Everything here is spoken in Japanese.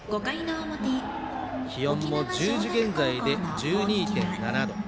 気温も１０時現在で１２．７度。